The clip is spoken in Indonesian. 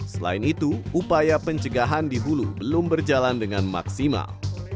selain itu upaya pencegahan di hulu belum berjalan dengan maksimal